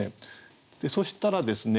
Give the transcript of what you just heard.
そしたらですね